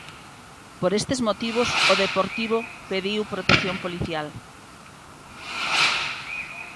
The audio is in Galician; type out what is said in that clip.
Por estes motivos, o Deportivo pediu protección policial.